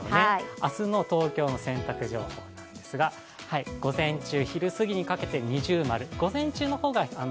明日の東京の洗濯情報ですが午前中、昼過ぎにかけて◎。